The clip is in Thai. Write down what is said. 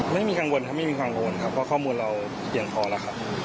ไม่มีกังวลครับไม่มีความกังวลครับเพราะข้อมูลเราเพียงพอแล้วครับ